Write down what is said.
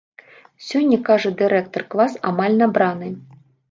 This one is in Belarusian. Сёння, кажа дырэктар, клас амаль набраны.